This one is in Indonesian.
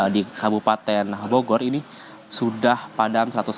di kabupaten bogor ini sudah padam seratus